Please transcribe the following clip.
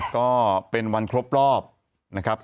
ก็เป็นวันครบรอบนะครับ